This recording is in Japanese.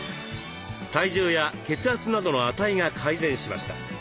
体重や血圧などの値が改善しました。